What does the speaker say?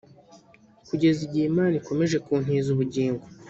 Kugeza igihe Imana ikomeje kuntiza ubugingo